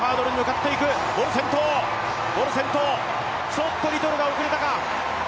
ちょっとリトルが遅れたか。